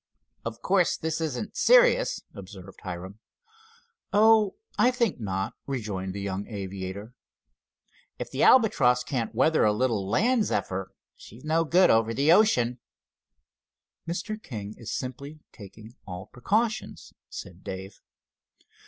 "Of course, this isn't serious," observed Hiram. "Oh, I think not," rejoined the young aviator. "If the Albatross can't weather a little land zephyr, she's no good over the ocean." "Mr. King is simply taking all precautions," said Dave.